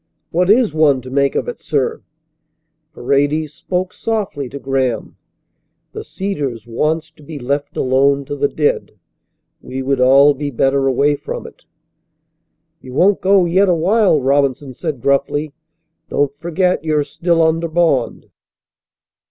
"What is one to make of it, sir?" Paredes spoke softly to Graham. "The Cedars wants to be left alone to the dead. We would all be better away from it." "You won't go yet awhile," Robinson said gruffly. "Don't forget you're still under bond."